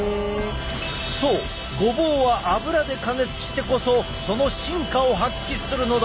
そうごぼうは油で加熱してこそその真価を発揮するのだ！